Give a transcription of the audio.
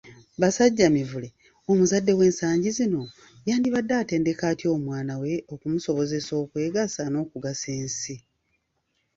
Basajja Mivule, omuzadde w’ensangi zino yandibadde atendeka atya omwana we okumusobozesa okwegasa n’okugasa ensi?